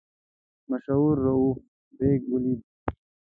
مشهور رووف بېګ ولیدی.